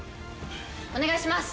お願いします！